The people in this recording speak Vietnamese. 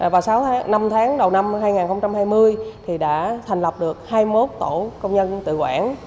vào năm tháng đầu năm hai nghìn hai mươi đã thành lập được hai mươi một tổ công nhân tự quản